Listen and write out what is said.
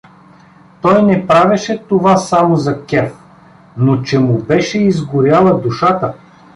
Той не правеше това само за кеф, но че му беше изгоряла душата.